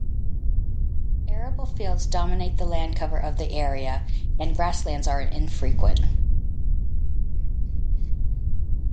Arable fields dominate the land cover of the area and grasslands are infrequent.